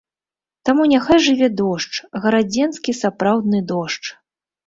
Таму няхай жыве дождж, гарадзенскі сапраўдны дождж!